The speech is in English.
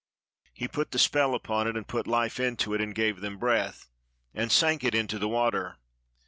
He put the spell upon it and put life into it, and gave them breath, and sank it in the water.